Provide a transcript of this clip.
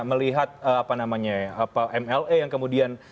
melihat mle yang kemudian